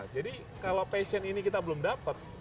jadi kalau passion ini kita belum dapat